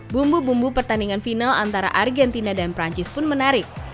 bumbu bumbu pertandingan final antara argentina dan perancis pun menarik